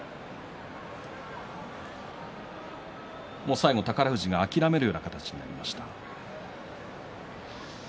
最後、宝富士諦めるような形になりました。